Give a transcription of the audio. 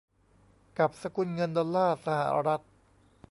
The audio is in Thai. กับสกุลเงินดอลลาร์สหรัฐ